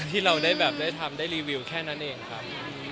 ที่เราได้รีวิวแค่นั้นเองครับ